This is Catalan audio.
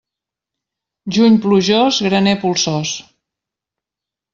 Juny plujós, graner polsós.